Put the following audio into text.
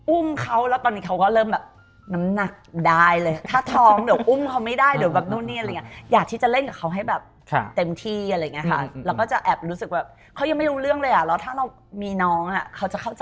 อุ้มเขาแล้วตอนนี้เขาก็เริ่มแบบ